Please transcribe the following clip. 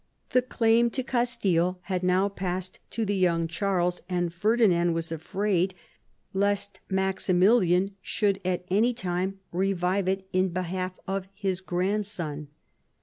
The claim to Castile had now passed to the young Charles, and Ferdinand was afraid lest Maximilian should at any time revive it in behalf of his grandson.